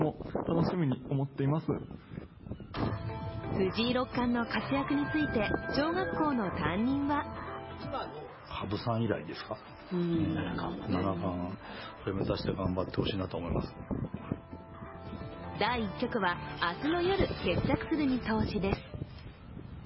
藤井六冠の活躍について小学校の担任は第１局は明日の夜、決着する見通しです。